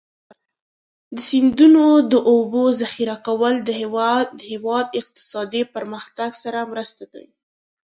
د سیندونو د اوبو ذخیره کول د هېواد اقتصادي پرمختګ سره مرسته کوي.